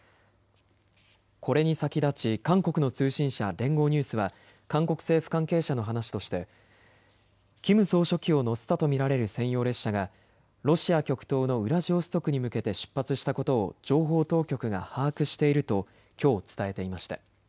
これに先立ち韓国の通信社、連合ニュースは韓国政府関係者の話としてキム総書記を乗せたと見られる専用列車がロシア極東のウラジオストクに向けて出発したことを情報当局が把握しているときょう伝えていました。